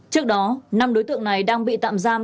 trước đó năm đối tượng này đang bị tạm giam